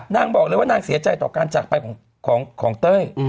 นางบอกเลยว่านางเสียใจต่อการจากไปของเต้ย